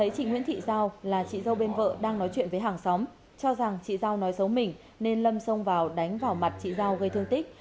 chị dâu bên vợ đang nói chuyện với hàng xóm cho rằng chị dâu nói xấu mình nên lâm xông vào đánh vào mặt chị dâu gây thương tích